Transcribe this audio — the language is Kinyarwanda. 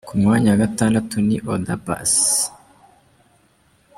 Ku mwanya wa Gatandatu ni Oda Paccy.